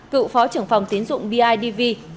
cựu phó trưởng phòng tiến dụng bidv